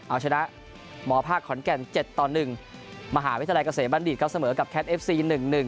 เอาชนะหมอภาคขอนแก่น๗ต่อ๑มหาวิทยาลัยเกษมบัณฑิตครับเสมอกับแคทเอฟซี๑๑